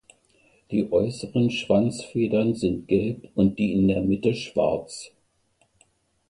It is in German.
Die äußeren Schwanzfedern sind gelb und die in der Mitte schwarz.